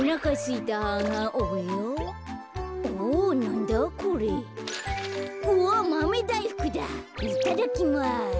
いただきます。